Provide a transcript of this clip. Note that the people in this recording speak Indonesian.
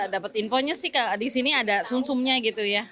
dapat infonya sih di sini ada sum sumnya gitu ya